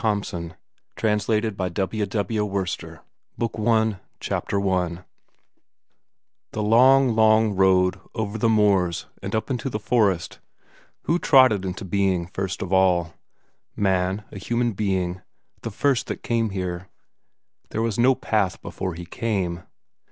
WORSTER [ORIGINAL TITLE "MARKENS GRØDE"] 1917 Chapter I The long, long road over the moors and up into the forest who trod it into being first of all? Man, a human being, the first that came here. There was no path before he came.